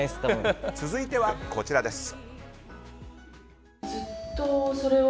続いてはこちらです。